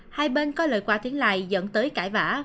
hai bên có lời qua tiếng lại dẫn tới cãi vã